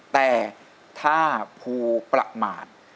แต่ถ้าภูประมาท